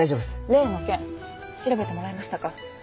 例の件調べてもらえましたか？